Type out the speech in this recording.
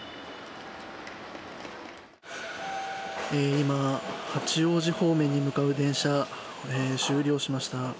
今、八王子方面に向かう電車終了しました。